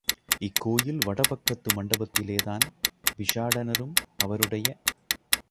இக்கோயில் வடபக்கத்து மண்டபத்திலேதான் பிக்ஷாடனரும், அவருடைய.